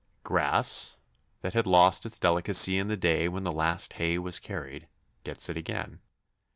Grass, that had lost its delicacy in the day when the last hay was carried, gets it again.